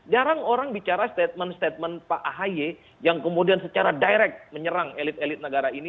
jarang orang bicara statement statement pak ahy yang kemudian secara direct menyerang elit elit negara ini